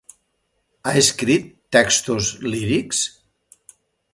Ha escrit textos lírics?